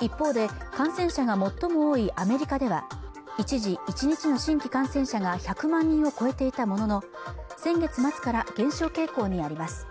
一方で感染者が最も多いアメリカでは一時１日の新規感染者が１００万人を超えていたものの先月末から減少傾向にあります